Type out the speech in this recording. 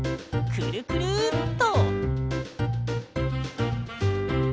くるくるっと！